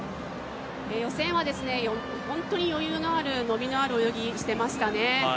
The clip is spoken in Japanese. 予選は本当に余裕のある伸びのある泳ぎしてましたね。